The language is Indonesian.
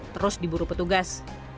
terus diburu petugas